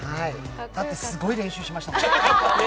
だってすごい練習しましたもん。